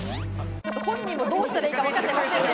本人もどうしたらいいかわかってませんね。